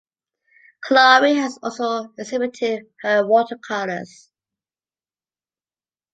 Klawe has also exhibited her watercolors.